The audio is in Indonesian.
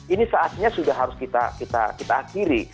ini saatnya sudah harus kita akhiri